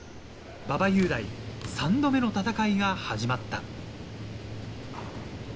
馬場雄大、３度目の戦いが始まった。